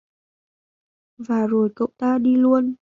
Và rồi Cậu ta đi luôn